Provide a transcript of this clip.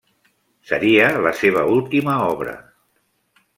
Seria la seva última obra.